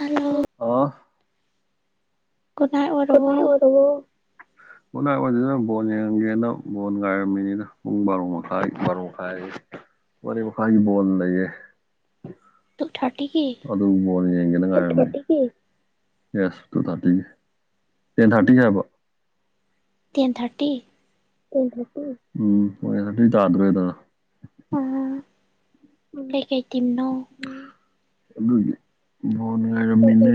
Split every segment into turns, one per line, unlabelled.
hello
ꯑꯣ
good night
ꯀꯅꯥ ꯑꯣꯏꯔꯕꯣ
[inaudible]
[unintelligible] ꯕꯣꯟ ꯌꯦꯡꯒꯦꯅ ꯕꯣꯟ ꯉꯥꯏꯔꯃꯤꯅꯤꯗ ꯄꯨꯡ ꯕꯥꯔꯣ ꯃꯈꯥꯏ ꯕꯥꯔꯣ ꯃꯈꯥꯏ ꯃꯔꯤ ꯃꯈꯥꯢꯒꯤ ꯕꯣꯜ ꯂꯩꯌꯦ
ꯇꯨ ꯊꯥꯔꯇꯤ ꯒꯤ
ꯑꯗꯨ ꯕꯣꯟ ꯌꯦꯡꯒꯦꯅ ꯉꯥꯏꯔ ꯌꯦꯁ ꯇꯨ ꯊꯥꯔꯇꯤꯒꯤ ꯇꯦꯟ ꯊꯥꯔꯇꯤ ꯍꯥꯏꯕ
ꯇꯦꯟ ꯊꯥꯔꯇꯤ
ꯇꯨ ꯊꯥꯔꯇꯤ ꯎꯝ ꯍꯣꯏ ꯑꯗꯨꯏ ꯇꯥꯗ꯭ꯔꯣꯏꯗꯅ
ꯑꯣ ꯀꯩꯀꯩ ꯇꯤꯝ ꯅꯣ
ꯑꯗꯨꯒꯤ ꯉꯥꯢꯔꯃꯤꯅꯦ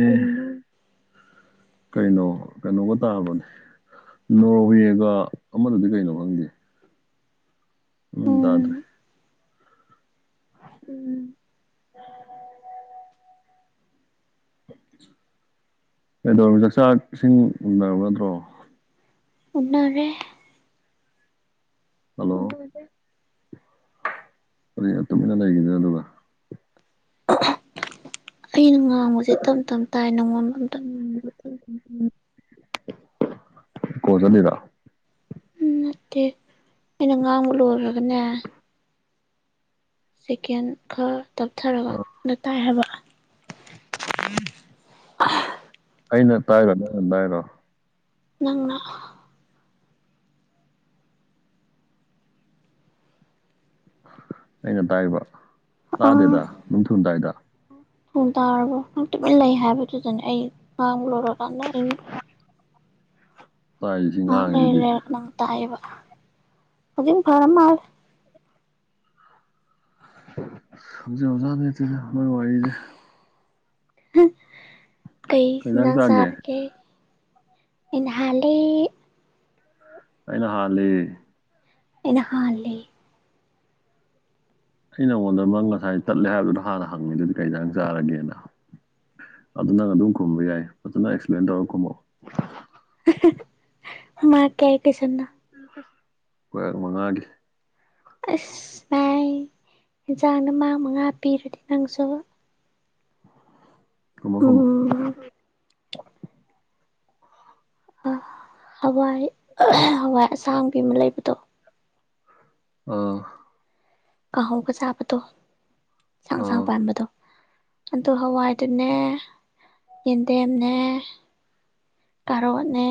ꯀꯩꯅꯣ ꯀꯩꯅꯣꯒ ꯇꯥꯕꯅꯤ ꯅꯣꯔꯋꯦꯒ ꯑꯃꯗꯨꯗꯤ ꯀꯩꯅꯣ ꯈꯪꯗꯦ ꯎꯝ ꯇꯥꯗ꯭ꯔ° ꯎꯝ ꯀꯩꯗꯧꯔꯤꯅꯣ ꯆꯥꯥꯛ ꯏꯁꯤꯡ ꯎꯅꯔꯕ ꯅꯠꯇ꯭ꯔꯣ
ꯎꯅꯥꯔꯦ
ꯍꯜꯂꯣ ꯀꯔꯤꯒꯤꯅꯣ ꯇꯨꯃꯤꯟꯅ ꯂꯩꯔꯤꯗꯨꯅ ꯑꯗꯨꯒ
ꯑꯩꯅ ꯉꯥꯡꯕꯁꯤ ꯇꯞ ꯇꯞ ꯇꯥꯏ ꯅꯪꯉꯣꯟ ꯑꯝꯇ
ꯀꯣꯜ ꯆꯂꯤꯔ
ꯎꯝ ꯅꯠꯇꯦ ꯑꯩꯅ ꯉꯥꯡꯕ ꯂꯣꯏꯒ꯭ꯔꯒꯅꯦ ꯁꯦꯀꯦꯟ ꯈꯔ ꯇꯞꯊꯔꯒ ꯑꯗꯥ ꯇꯥꯏ ꯍꯥꯏꯕ
ꯑꯩꯅ ꯇꯥꯏꯔꯣ ꯅꯪꯅ ꯇꯥꯏꯔꯣ
ꯅꯪꯅ
ꯑꯩꯅ ꯇꯥꯏꯕ ꯇꯥꯗꯦꯗ ꯗꯨꯝꯊꯨꯅ ꯇꯥꯏꯗ
ꯎꯝ ꯇꯥꯔꯕꯣ ꯇꯨꯃꯤꯟ ꯂꯩ ꯍꯥꯏꯕꯗꯨꯗꯅꯦ ꯑꯩ ꯉꯥꯡꯕ ꯂꯣꯏꯔꯀꯥꯟꯗ ꯑꯩꯅ
ꯇꯥꯏꯁꯤ
ꯉꯥꯛ ꯂꯩꯔ
ꯉꯥꯡꯉꯤꯁꯤꯗꯤ
ꯂꯩꯔꯒ ꯅꯪ ꯇꯥꯏꯑꯕ ꯍꯧꯖꯤꯛ ꯐꯔ ꯃꯥꯜꯂꯦ
ꯈꯪꯖꯕꯖꯥꯠ ꯅꯠꯇꯦꯗ ꯃꯣꯏ ꯋꯥꯔꯤꯁꯦ
ꯀꯩ ꯏꯟꯖꯥꯡ ꯆꯥꯔꯒꯦ ꯑꯩꯅ ꯍꯥꯂꯦ
ꯑꯩꯅ ꯍꯥꯥꯟꯂꯤ
ꯑꯩꯅꯥ ꯍꯥꯜꯂꯩ
ꯁꯤ ꯅꯉꯣꯟꯗ ꯅꯪ ꯉꯁꯥꯏ ꯇꯠꯂꯦ ꯍꯥꯏꯕꯗꯨꯗ ꯍꯥꯟꯅ ꯍꯪꯉꯤꯗꯨꯗꯤ ꯀꯩ ꯑꯦꯟꯁꯥꯡ ꯆꯥꯔꯒꯦꯅ ꯑꯗꯨ ꯅꯪ ꯑꯗꯨꯝ ꯈꯨꯝꯕ ꯌꯥꯏ ꯐꯖꯅ ꯑꯦꯛꯁꯄ꯭ꯂꯦꯟ ꯇꯧꯔꯒ ꯈꯨꯝꯃꯛꯑꯣ
ꯃꯥ ꯀꯩ ꯇꯨꯏꯁꯟꯅꯣ
ꯀ꯭ꯋꯦꯛ ꯃꯉꯥꯒꯤ
ꯑꯁ ꯚꯥꯏ ꯌꯦꯟꯖꯥꯡꯅ ꯃꯥꯡ ꯃꯉꯥ ꯄꯤꯔꯗꯤ ꯅꯪꯁꯨ
ꯀꯨꯃꯣ ꯀꯨꯃꯣ
ꯎꯝ ꯑꯥ ꯍꯋꯥꯏ ꯍꯋꯥꯏ ꯑꯁꯥꯡꯕꯤ ꯑꯃ ꯂꯩꯕꯗꯣ
ꯑꯣ
ꯀꯥꯡꯍꯧꯒ ꯆꯥꯕꯗꯣ ꯁꯥꯡꯁꯥꯡ
ꯑꯥ
ꯄꯥꯟꯕꯗꯣ ꯑꯗꯨ ꯍꯋꯥꯏꯗꯨꯅꯦ ꯌꯦꯟꯗꯦꯝꯅꯦ ꯀꯔꯣꯠꯅꯦ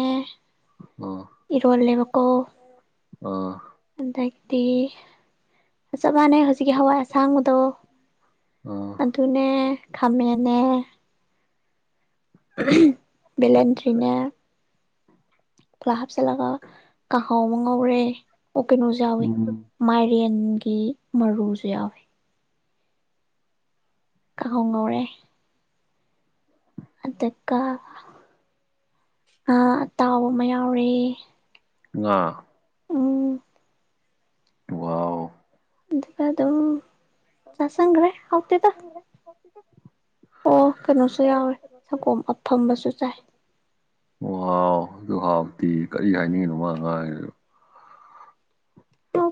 ꯑꯣ
ꯏꯔꯣꯜꯂꯦꯕꯀꯣ
ꯑꯥ
ꯑꯗꯩꯗꯤ ꯑꯥ ꯆꯞ ꯃꯥꯟꯅꯩ ꯍꯧꯖꯤꯛꯀꯤ ꯍꯋꯥꯏ ꯑꯁꯥꯡꯕꯗꯣ
ꯑꯥ
ꯑꯗꯨꯅꯦ ꯈꯥꯃꯦꯟꯅꯦ ꯚꯦꯂꯦꯟꯗ꯭ꯔꯤꯅꯦ ꯄꯨꯂꯥꯞ ꯍꯥꯞꯆꯤꯜꯂꯒ ꯀꯥꯡꯥꯍꯥꯎ ꯑꯃ ꯉꯧꯔꯦ ꯑꯣ ꯀꯩꯅꯣꯁꯨ ꯌꯥꯎꯋꯤ
ꯎꯝ
ꯃꯥꯏꯔꯦꯟꯒꯤ ꯃꯔꯨꯖꯨ ꯌꯥꯎꯏ ꯀꯪꯍꯧ ꯉꯧꯔꯦ ꯑꯗꯨꯒ ꯉꯥ ꯑꯇꯥꯎꯕ ꯑꯃ ꯌꯥꯎꯔꯦ
ꯉꯥ
ꯎꯝ
ꯋꯥꯎ
ꯑꯗꯨꯒ ꯑꯗꯨꯝ ꯆꯥꯁꯟꯒ꯭ꯔꯦ ꯍꯥꯎꯇꯦꯗ
[unintelligible]
ꯑꯣ ꯀꯩꯅꯣꯁꯨ ꯌꯥꯎꯋꯦ ꯁꯪꯒꯣꯝ ꯑꯐꯝꯕꯁꯨ ꯆꯥꯏ
ꯋꯥꯎ ꯑꯗꯨꯛ ꯍꯥꯎꯕꯗꯤ ꯀꯔꯤ ꯍꯥꯏꯅꯤꯡꯉꯤꯅꯣ ꯃꯥ ꯉꯥꯡꯉꯤꯖꯤꯕꯣ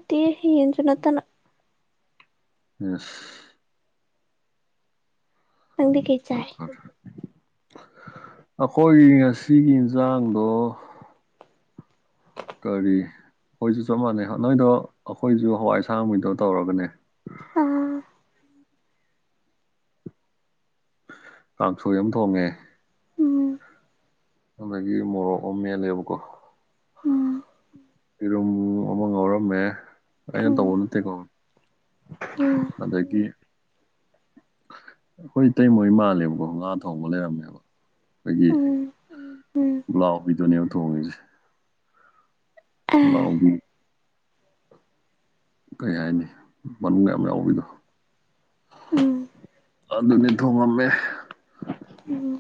ꯇꯤ ꯌꯦꯟꯖꯨ ꯅꯠꯇꯅ
ꯏꯁ
ꯅꯪꯗꯤ ꯀꯩ ꯆꯥꯏ
ꯑꯁ ꯑꯩꯈꯣꯏꯒꯤ ꯉꯁꯤꯒꯤ ꯏꯟꯖꯥꯡꯗꯣ ꯀꯔꯤ ꯑꯩꯈꯣꯏꯖꯨ ꯆꯞ ꯃꯥꯟꯅꯩ ꯅꯣꯏꯗꯣ ꯑꯩꯈꯣꯏꯖꯨ ꯍꯋꯥꯏꯁꯥꯡꯕꯤꯗꯣ ꯇꯧꯔꯒꯅꯦ
ꯎꯝ
ꯀꯥꯡꯁꯣꯏ ꯑꯃ ꯊꯣꯡꯉꯦ
ꯎꯝ
[unintelligible] ꯗꯒꯤ ꯃꯣꯔꯛ ꯑꯃ ꯃꯦꯠꯂꯦꯕꯀꯣ
ꯎꯝ
ꯌꯦꯔꯨꯝ ꯑꯃ ꯉꯥꯎꯔꯝꯃꯦ ꯑꯩꯅ
ꯎꯝ
ꯇꯧꯕꯅꯤ
ꯑ
[unintelligible] ꯑꯗꯥꯒꯤ ꯑꯩꯈꯣꯏ ꯏꯇꯩ ꯃꯣꯏ ꯃꯥꯜꯂꯦꯕꯀꯣ ꯉꯥ ꯊꯣꯡꯕ ꯂꯩꯔꯝꯃꯦꯕ ꯑꯗꯒꯤ
ꯎꯝ ꯎꯝ
ꯄꯨꯛꯂꯥꯎꯕꯤꯗꯨꯅꯦꯕ ꯊꯣꯡꯉꯤꯖꯦ
ꯑ
ꯄꯨꯛꯂꯥꯎꯕꯤ ꯀꯩ ꯍꯥꯏꯅꯤ ꯃꯔꯨꯡ ꯌꯥꯝ ꯌꯥꯎꯕꯤꯗꯣ
ꯎꯝ
ꯑꯗꯨꯅꯦ ꯊꯣꯡꯉꯝꯃꯦ
ꯎꯝ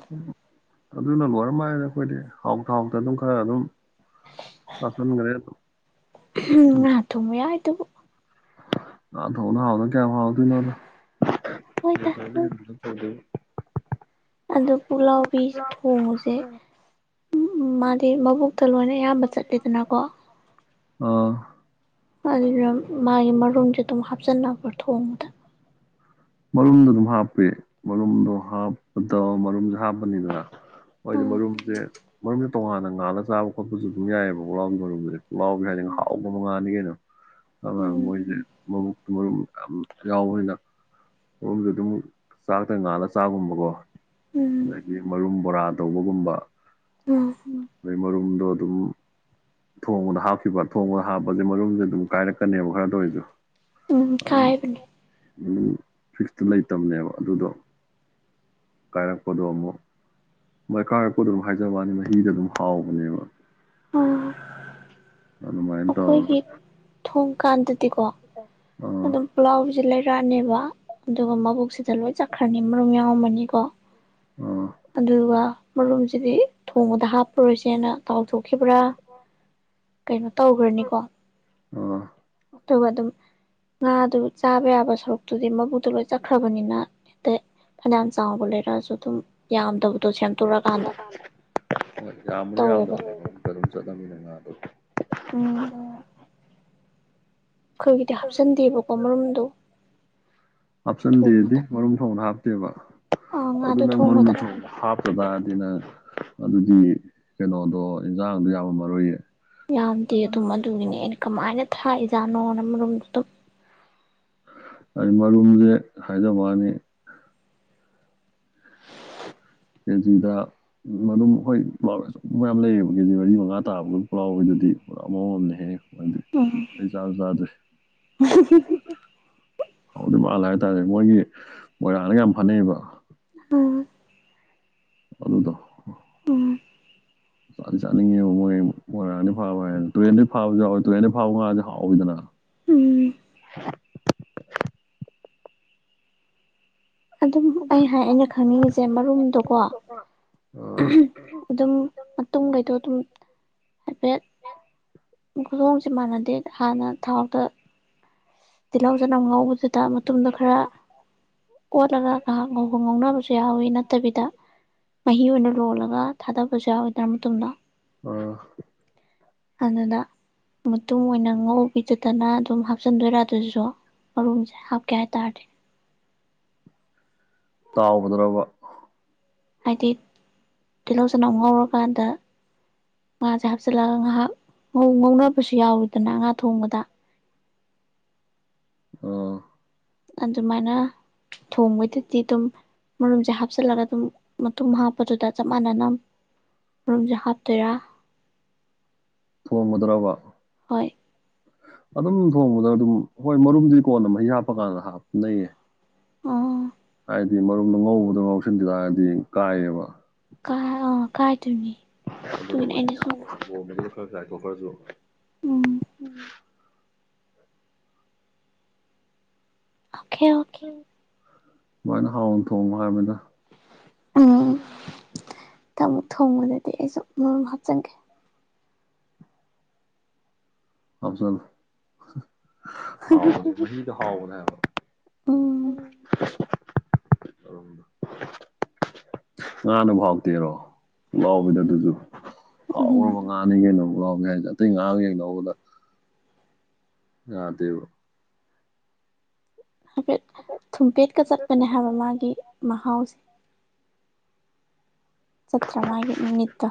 ꯑꯗꯨꯅ ꯂꯣꯏꯔꯝ ꯃꯥꯂꯦꯗ ꯑꯩꯈꯣꯏꯗꯤ ꯍꯥꯎꯇꯥ ꯍꯥꯎꯇꯥ ꯑꯗꯨꯝ ꯈꯔ ꯑꯗꯨꯝ ꯆꯥꯁꯟꯒꯔꯦ ꯑꯗꯨꯝ
ꯉꯥ ꯊꯣꯡꯕ ꯌꯥꯎꯗꯨꯕꯨ
ꯉꯥ ꯊꯣꯡꯕꯅ ꯍꯥꯎꯗꯅ ꯀꯌꯥꯝ ꯍꯥꯎꯗꯣꯏꯅꯣꯗ
ꯍꯣꯏꯗ
[unintelligible]
ꯑꯗꯨ ꯄꯨꯛꯂꯥꯎꯕꯤ ꯊꯣꯡꯕꯖꯦ ꯎꯝ ꯃꯥꯗꯤ ꯃꯕꯨꯛꯇ ꯂꯣꯏꯅ ꯑꯌꯥꯝꯕ ꯆꯠꯂꯤꯗꯅꯀꯣ
ꯑꯥ
[unintelligible] ꯃꯥꯒꯤ ꯃꯔꯨꯝꯖꯦ ꯑꯗꯨꯝ ꯍꯥꯞꯆꯟꯅꯕ꯭ꯔꯣ ꯊꯣꯡꯕꯗ
ꯃꯔꯨꯝꯗꯣ ꯑꯗꯨꯝ ꯍꯥꯞꯄꯤ ꯃꯔꯨꯝꯗꯣ ꯍꯥꯞꯄꯗ ꯃꯔꯨꯝꯖꯦ ꯍꯥꯞꯄꯅꯤꯗꯅ ꯍꯣꯏꯗꯤ
ꯑꯥ
ꯃꯔꯨꯝꯖꯦ ꯃꯔꯨꯝꯖꯦ ꯇꯣꯉꯥꯟꯅ ꯉꯥꯜꯂ ꯆꯥꯕ ꯈꯣꯠꯄꯖꯨ ꯑꯗꯨꯝ ꯌꯥꯏꯑꯕ ꯄꯨꯛꯂꯥꯎꯕꯤ ꯃꯔꯨꯝꯖꯦ ꯄꯨꯛꯂꯥꯎꯕꯤ ꯍꯥꯏꯗꯤ
ꯎꯝ
ꯍꯥꯎꯒ꯭ꯔꯕ ꯉꯥꯅꯤ ꯀꯩꯅꯣ ꯑꯗꯨꯅ
ꯎꯝ
ꯃꯣꯏꯗꯤ ꯃꯕꯨꯛꯇꯨ ꯃꯔꯨꯝ ꯌꯥꯝ ꯌꯥꯎꯕꯅꯤꯅ ꯃꯔꯨꯝꯗꯣ ꯑꯗꯨꯝ ꯆꯥꯛꯇ ꯉꯥꯜꯂꯒ ꯆꯥꯒꯨꯝꯕꯀꯣ
ꯎꯝ
ꯑꯗꯒꯤ ꯃꯔꯨꯝ ꯕꯣꯔꯥ ꯇꯧꯕꯒꯨꯝꯕ
ꯎꯝ
ꯑꯗꯩ ꯃꯔꯨꯝꯗꯣ ꯑꯗꯨꯝ ꯊꯣꯡꯕꯗ ꯍꯥꯞꯈꯤꯕ ꯊꯣꯡꯕꯗ ꯍꯥꯞꯄꯖꯦ ꯃꯔꯨꯝꯖꯦ ꯑꯗꯨꯝ ꯀꯥꯏꯔꯛꯀꯅꯦꯕ ꯈꯔꯇ ꯑꯣꯏꯖꯨ
ꯎꯝ
ꯑꯗꯨꯝ
ꯀꯥꯏꯕꯅꯦ
ꯐꯤꯛꯁꯇ ꯂꯩꯇꯕꯅꯦꯕ ꯑꯗꯨꯗꯣ ꯀꯥꯏꯔꯛꯄꯗꫭ ꯑꯃꯨꯛ ꯃꯥꯏ ꯀꯥꯔꯛꯄꯗꯣ ꯑꯗꯨꯝ ꯍꯥꯏꯖꯕꯩ ꯋꯥꯅꯤ ꯃꯍꯤꯗ ꯑꯗꯨꯝ ꯍꯥꯎꯕꯅꯦꯕ
ꯑꯥ
ꯑꯗꯨꯃꯥꯏꯟ
ꯑꯩꯈꯣꯏꯒꯤ ꯊꯣꯡꯀꯥꯟꯗꯗꯤꯀꯣ
ꯑꯥ
ꯑꯗꯨꯝ ꯄꯨꯂꯥꯎꯕꯤꯁꯦ ꯂꯩꯔꯛꯑꯅꯦꯕ ꯑꯗꯨꯒ ꯃꯕꯨꯛꯁꯤ ꯂꯣꯏ ꯆꯠꯈ꯭ꯔꯅꯤ ꯃꯔꯨꯝ ꯌꯥꯎꯔꯝꯃꯅꯤꯀꯣ
ꯑꯥ
ꯑꯗꯨ ꯑꯗꯨꯒ ꯃꯔꯨꯝꯁꯤꯗꯤ ꯊꯣꯡꯕꯗ ꯍꯥꯞꯄꯔꯣꯏꯁꯦꯅ ꯇꯥꯎꯊꯣꯛꯈꯤꯕ꯭ꯔꯥ ꯀꯩꯅꯣ ꯇꯧꯒ꯭ꯔꯅꯤ
ꯑꯥ
ꯇꯨꯒꯥ ꯗꯨꯝ ꯉꯥꯗꯨ ꯆꯥꯕ ꯌꯥꯕ ꯁꯔꯨꯛꯇꯨꯗꯤ ꯃꯕꯨꯨꯛꯇ ꯂꯣꯏ ꯆꯠꯈ꯭ꯔꯕꯅꯤꯅ ꯍꯦꯛꯇ ꯐꯅꯌꯥꯝ ꯆꯥꯎꯕ ꯂꯩꯔꯛꯑꯖꯨ ꯑꯗꯨꯝ ꯌꯥꯝꯗꯕ ꯇꯣ ꯁꯦꯝꯇꯣꯔꯛ
[unintelligible] ꯍꯣꯏ ꯌꯥꯝꯕꯨꯗꯤ
ꯇꯧꯋꯦꯕ
ꯌꯥꯝꯗꯕꯅꯦ ꯃꯔꯨꯝ ꯆꯠꯂꯝꯅꯤꯅ ꯉꯥꯗꯣ
ꯎꯝ ꯑꯩꯈꯣꯏꯒꯤꯗꯤ ꯍꯥꯞꯆꯟꯗꯦꯕꯀꯣ ꯃꯔꯨꯝꯗꯣ
ꯍꯥꯞꯆꯟꯗꯦꯗꯤ
ꯊꯣꯡꯕꯗ
ꯃꯔꯨꯝ ꯊꯣꯡꯕꯗ ꯍꯥꯞꯇꯦꯕ
ꯑꯥ
ꯑꯗꯨ
ꯉꯥꯗꯣ
ꯅꯪ ꯃꯔꯨꯝ
ꯊꯣꯡꯕꯗ
ꯊꯣꯡ ꯍꯥꯞꯇ ꯇꯥꯔꯗꯤ ꯅꯪ ꯑꯗꯨꯗꯤ ꯀꯩꯅꯣꯗꯣ ꯏꯟꯖꯥꯡꯗꯣ ꯌꯥꯝꯃꯝ ꯃꯔꫭꯏꯌꯦ
ꯌꯥꯝꯗꯦ ꯑꯗꯨꯝ ꯑꯗꯨꯒꯤꯅꯦ ꯑꯩꯅ ꯀꯃꯥꯏꯅ ꯊꯥꯛꯏꯖꯥꯠꯅꯣꯅ ꯃꯔꯨꯝ ꯑꯗꯨꯝ
[unintelligible] ꯃꯔꯨꯝꯖꯦ ꯍꯥꯏꯖꯕꯋꯥꯅꯤ ꯀ‌ꯦꯖꯤꯗ ꯎ ꯑꯗꯨꯝ ꯍꯣꯏ [unintelligible] ꯃꯌꯥꯝ ꯂꯩꯌꯦꯕ ꯀꯦꯖꯤ ꯃꯔꯤ ꯃꯉꯥ ꯇꯥꯕ ꯑꯗꯨꯝ ꯄꯨꯛꯂꯥꯎꯕꯤꯗꯗꯤ ꯄꯨꯔꯥ ꯃꯑꯣꯡ ꯑꯝꯅꯤꯍꯦ ꯃꯗꯤ
ꯎꯝ
ꯑꯩ ꯆꯥꯖꯨ ꯆꯥꯗꯦ
[unintelligible]
ꯍꯥꯎꯗꯧ ꯃꯥꯜꯂꯦ ꯍꯥꯏꯇꯥꯥꯔꯦ ꯃꯣꯏꯒꯤ ꯃꯣꯏꯔꯥꯡꯗꯒ ꯌꯥꯝ ꯐꯅꯩꯕ
[unintelligible]
ꯑꯗꯨꯗꫭ
ꯎꯝ
ꯆꯥꯗꯤ ꯆꯥꯅꯤꯡꯉꯦꯕ ꯃꯣꯏ ꯃꯣꯏꯔꯥꯡꯗꯩ ꯐꯥꯕ ꯍꯥꯏꯅ ꯇꯨꯔꯦꯟꯗꯩ ꯐꯕꯖꯨ ꯌꯥꯎꯋꯦ ꯇꯨꯔꯦꯜꯗ ꯐꯥꯕ ꯉꯥꯖꯦ ꯍꯥꯎꯋꯤꯗꯅ
ꯎꯝ ꯑꯗꯨꯝ ꯑꯩ ꯍꯥꯏ ꯑꯩꯅ ꯈꯪꯅꯤꯡꯉꯤꯖꯦ ꯃꯔꯨꯝꯗꯣꯀꯣ
ꯑꯥ
ꯑꯗꯨꯝ ꯃꯇꯨꯝꯒꯩꯗꯣ ꯑꯗꯨꯝ ꯍꯥꯏꯐꯦꯠ [unintelligible] ꯃꯥꯟꯅꯗꯦ ꯍꯥꯟꯅ ꯊꯥꯎꯇ ꯇꯤꯜꯍꯧ ꯆꯅꯝ ꯉꯧꯕꯗꯨꯗ ꯃꯇꯨꯝꯗꯣ ꯈꯔ ꯑꯣꯠꯂꯒ ꯉꯍꯥꯛ ꯉꯧ ꯉꯧꯅꯕꯖꯨ ꯌꯥꯍꯧꯋꯤ ꯅꯠꯇꯕꯤꯗ ꯃꯍꯤ ꯑꯣꯏꯅ ꯂꯣꯜꯂꯒ ꯊꯥꯗꯕꯖꯨ ꯌꯥꯎꯏꯗꯅ ꯃꯇꯨꯝꯗꫭ
ꯑ
ꯑꯗꯨꯗ ꯃꯇꯨꯝ ꯑꯣꯏꯅ ꯉꯧꯕꯤꯗꯨꯗꯅ ꯑꯗꯨꯝ ꯍꯥꯞꯆꯟꯗꯣꯏꯔ ꯑꯗꯨꯖꯣ ꯃꯔꯨꯝꯖꯦ ꯍꯥꯞꯀꯦ ꯍꯥꯏꯇꯥꯔꯗꯤ
ꯇꯥꯎꯕꯗꯨꯔꯕ
ꯍꯥꯏꯗꯤ ꯇꯤꯜꯍꯧ ꯆꯅꯝ ꯉꯧꯔꯀꯥꯟꯗ ꯉꯥꯁꯦ ꯍꯥꯞꯆꯤꯜꯂꯒ ꯉꯥꯏꯍꯥꯛ ꯉꯧꯅꯕꯁꯨ ꯌꯥꯎꯋꯤꯗꯅ ꯉꯥ ꯊꯣꯡꯕꯗ
ꯎꯝ
ꯑꯗꯨꯃꯥꯏꯅ ꯊꯣꯡꯕꯗꯨꯗꯤ ꯑꯗꯨꯝ ꯃꯔꯨꯝꯁꯦ ꯍꯥꯞꯆꯤꯜꯂꯒ ꯑꯗꯨꯝ ꯃꯇꯨꯝ ꯍꯥꯞꯄꯗꯨꯗ ꯆꯞ ꯃꯥꯟꯅꯅ ꯝꯔꯨꯝꯖꯤ ꯍꯥꯞꯇꯨꯏꯔ
ꯊꯣꯡꯕꯗꯔꯕ
ꯍꯣꯏ
ꯑꯗꯨꯝ ꯊꯣꯡꯕꯗ ꯑꯗꯨꯝ ꯍꯣꯏ ꯃꯔꯨꯝꯗꯨꯗꯤ ꯀꯣꯟꯅ ꯃꯍꯤ ꯍꯥꯞꯄꯀꯥꯟꯗ ꯍꯥꯞꯅꯩꯌꯦ
ꯑ
ꯍꯥꯏꯗꯤ ꯃꯔꯨꯝꯗ ꯉꯧꯕꯗꯣ ꯉꯧꯁꯤꯟ ꯇꯥꯔꯗꯤ ꯀꯥꯏꯌꯦꯕ
ꯀꯥꯏ ꯑ ꯀꯥꯏꯗꯣꯏꯅꯤ ꯑꯗꯨꯒꯤꯅꯦ ꯑꯩꯅ ꯁꯨꯝ
ꯈꯔꯁꯨꯥꯏꯀꯣ ꯈꯔꯁꯨ
ꯎꯝ ꯑꯣꯀꯦ ꯑꯣ
ꯃꯥꯏꯅ ꯍꯥꯎꯅ ꯊꯣꯡꯉꯣ ꯍꯥꯏꯕꯅꯤꯗ
ꯎꯝ ꯃꯊꯪ ꯑꯃꯨꯛ ꯊꯣꯡꯕꯗꯗꯤ ꯑꯩꯁꯨ ꯃꯔꯨꯝ ꯍꯥꯞꯆꯤꯟꯒꯦ
ꯍꯥꯞꯆꯜꯂꯣ ꯃꯍꯤꯗꯣ ꯍꯥꯎꯕꯅ ꯎꯝ ꯉꯥꯅꯕꯨ ꯍꯥꯎꯇꯦꯔꯣ ꯄꯨꯛꯂꯥꯎꯕꯤꯗ ꯑꯗꯨꯁꯨ
ꯎꯝ
ꯍꯥꯎꯒꯕ ꯉꯥ ꯉꯥꯅ‌ꯦ ꯀꯩꯅꫭ ꯄꯨꯛꯂꯥꯎꯕꯤ ꯍꯥꯏꯗꯣ ꯑꯇꯩ ꯉꯥꯒ ꯌꯦꯡꯅꯧꯕꯗ ꯌꯥꯗꯦꯕ
ꯍꯥꯏꯐꯦꯠ ꯊꯨꯝꯄꯦꯠꯀ ꯆꯠꯄꯅꯦ ꯍꯥꯏꯕ ꯃꯥꯒꯤ ꯃꯍꯥꯎꯁꯦ ꯆꯠꯇ꯭ꯔꯥ ꯃꯥꯒꯤ ꯃꯤꯠꯇꫭ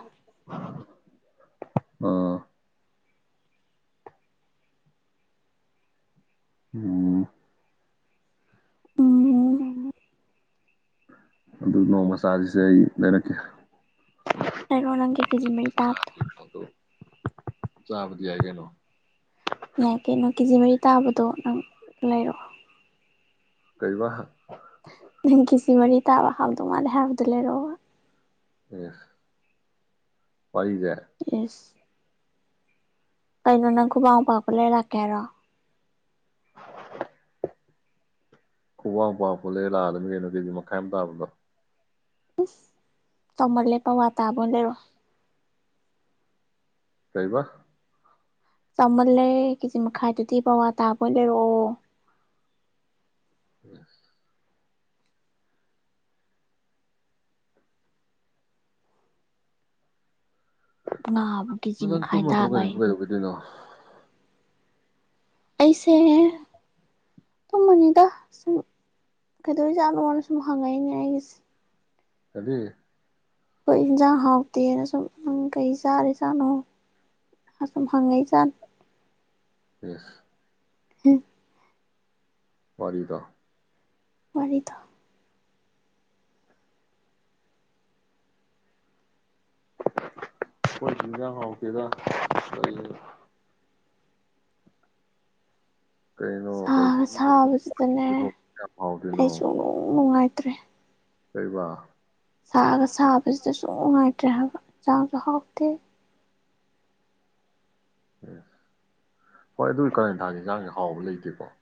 ꯑꯥ ꯎꯝ
ꯎꯝ
ꯎꯝ ꯑꯗꯨ ꯅꯣꯡ ꯃꯆꯥꯁꯤꯁꯦ ꯑꯩ ꯂꯩꯔꯛꯀꯦ
ꯂꯩꯔꯛꯑꯣ ꯅꯪꯒꯤ ꯀꯦꯖꯤ ꯃꯔꯤ ꯇꯥꯕꯗꯣ
ꯆꯥꯕꯗꯤ ꯌꯥꯏ ꯀꯩꯅꯣ
ꯌꯥꯏ ꯀꯩꯅꯣ ꯀꯦꯖꯤ ꯃꯔꯤ ꯇꯥꯕꯗꯣ ꯅꯪ ꯂꯩꯔꯛꯑꯣ
ꯀꯩ ꯕ
ꯅꯪ ꯀꯤꯖꯤ ꯃꯔꯤ ꯇꯥꯕ ꯍꯥꯎꯗꯧ ꯃꯥꯜꯂꯦ ꯍꯥꯏꯕꯗꯨ ꯂꯩꯔꯛꯑꯣꯕ
ꯌꯦ ꯋꯥꯔꯤꯖ‌ꯦ
ꯏꯁ ꯀꯩꯅꯣ ꯅꯪ ꯈꯨꯕꯥꯛ ꯃꯨꯛ ꯄꯥꯛꯄ ꯂꯩꯔ ꯂꯥꯛꯀꯦ ꯍꯥꯏꯔꯣ
ꯈꯨꯕꯥꯛꯃꯨꯛ ꯄꯥꯛꯄꯗꯨ ꯂꯩ ꯂꯥꯛꯑꯗꯕꯅꯤ ꯀꯩꯅꯣ ꯀꯦꯖꯤ ꯃꯈꯥꯏ ꯑꯃ ꯇꯥꯕꯗꯣ
ꯆꯥꯎꯃꯜꯂ‌ꯦ ꯄꯋꯥ ꯇꯕꯥ ꯑꯣꯏꯅ ꯂꯩꯔꯛꯑꯣ
ꯀꯩꯕ
ꯆꯥꯎꯃꯜꯂꯦ ꯀꯦꯖꯤ ꯃꯈꯥꯏꯗꯨꯗꯤ ꯄꯋꯥ ꯇꯥꯕ ꯑꯣꯏꯅ ꯂꯩꯔꯛꯑꯣ
ꯎꯝ
ꯉꯥꯕꯨ [unintelligible]
ꯅꯪ
ꯇꯥꯕ
ꯇꯨꯝꯃꯗꯨꯏꯔꯣ
ꯍꯥꯏ
ꯀꯩꯗꯧꯗꯣꯏꯅꯣ
ꯑꯩꯁꯦ ꯇꯨꯝꯃꯅꯤꯗ ꯁꯨꯝ ꯀꯩꯗꯧꯔꯤꯖꯥꯠꯅꯣꯅꯥ ꯁꯨꯝ ꯍꯪꯉꯛꯏ ꯖꯥꯠꯅꯦ ꯑꯩꯒꯤꯁꯦ
ꯀꯔꯤ
ꯑꯩꯈꯣꯏ ꯏꯟꯁꯥꯡ ꯍꯥꯎꯇꯦꯅ ꯁꯨꯝ ꯅꯪ ꯀꯩ ꯆꯥꯔꯤ ꯖꯥꯠꯅꯣ ꯑꯁꯨꯝ ꯍꯪꯉꯛꯏ ꯖꯥꯠꯅꯤ
ꯏꯁꯁ
ꯎꯝ
ꯋꯥꯔꯤꯗꯣ
ꯋꯥꯔꯤꯗ
ꯑꯩꯈꯣꯏ ꯆꯤꯟꯖꯥꯛ ꯍꯥꯎꯇꯦꯗ ꯀ ꯀꯩꯅꯣ ꯀꯔꯤ
ꯁꯥꯒ
ꯁꯧꯒ꯭ꯔꯤ ꯊꯣꯡꯕ
ꯁꯥꯕꯁꯤꯗꯅꯦ
ꯀꯩ ꯊꯣꯡꯕ ꯀꯌꯥꯝ ꯍꯥꯎꯗꯣꯏꯅꯣ
ꯑꯩ ꯁꯨꯛꯅꯨꯡ ꯅꯨꯡꯉꯥꯏꯇ꯭ꯔꯦ
ꯂꯩꯕ
ꯁꯥꯒ ꯁꯥꯕꯁꯤꯗ ꯁꯨꯝꯅꯨꯉꯥꯏꯇ꯭ꯔꯦ ꯍꯥꯏꯕ ꯆꯥꯡꯁꯨ ꯍꯥꯎꯇꯦ
ꯎ ꯍꯣꯏ ꯑꯗꯨꯒꯤ ꯀꯥꯂꯦꯟ ꯊꯥꯒꯤ ꯌꯦꯟꯁꯥꯡꯁꯦ ꯍꯥꯎꯕ ꯂꯩꯇꯦꯀꯣ ꯍ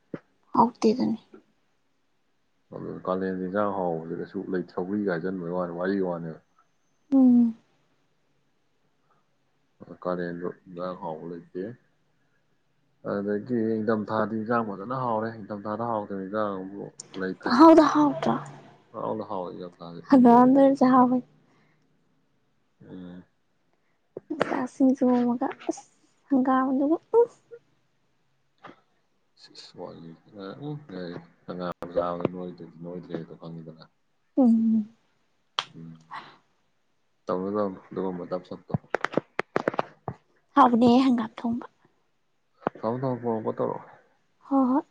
ꯍꯥꯎꯇꯦꯗꯨꯅꯤ
ꯑꯗꯨ ꯀꯥꯂꯦꯟ ꯌꯦꯟꯖꯥꯡ ꯍꯥꯎꯕꯗ ꯆꯨꯝꯅ ꯁꯧꯒꯔꯤ ꯍꯥꯏꯖꯟꯕꯩ ꯋꯥꯅꯤ ꯋꯥꯔꯤꯒꯤ ꯋꯥꯅꯦꯕ
ꯎꯝ
ꯀꯂ°ꯟꯗꯣ ꯑꯦꯟꯖꯥꯡ ꯍꯥꯎꯕ ꯂꯩꯇꯦ ꯑꯗꯨꯗꯒꯤ ꯅꯤꯡꯊꯝꯊꯥꯗꯤ ꯏꯟꯖꯥꯡ ꯐꯖꯅ ꯍꯥꯎꯔꯦ ꯅꯤꯡꯊꯝꯊꯥꯗ ꯍꯥꯎꯗꯕ ꯏꯟꯖꯥꯡꯕꯨ
ꯄꯪꯍꯥꯎꯗ ꯍꯥꯥꯎꯇ꯭ꯔꯥ
ꯍꯥꯎꯗ ꯍꯥꯎ ꯌꯥ
ꯍꯪꯒꯝꯗ ꯆꯥꯕꯅ°
ꯎꯝ
ꯏꯟꯇꯥ ꯁꯤꯡꯖꯨ ꯃꯒ ꯑꯁ ꯍꯪꯒꯥꯝꯗꯨꯒ ꯎ
ꯏꯁ ꯌꯔꯤꯗꯤ ꯎꯝ ꯍꯥꯡꯒꯥꯝ ꯆꯥꯕꯗ ꯅꯣꯏꯗꯔ꯭ꯗꯤ ꯅꯣꯏꯗ꯭ꯔꯦꯗꯣ ꯈꯪꯉꯤꯗꯅ
ꯎꯝ
ꯎꯝ ꯇꯧꯅꯨ ꯇꯧꯅꯨ ꯗꯨꯒꯨꯝꯕ ꯙꯞ ꯁꯞꯇꯣ
ꯍꯥꯎꯕꯅꯦ ꯍꯪꯒꯥꯝ ꯊꯣꯡꯕ
ꯊꯝ ꯊꯝꯃꯣ ꯄꯣꯟ ꯑꯧꯀ ꯇꯧꯔꯛꯑꯣ
ꯍꯣꯏ ꯍꯣꯏ